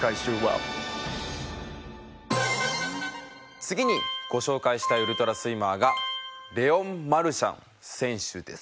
次にご紹介したいウルトラスイマーがレオン・マルシャン選手です。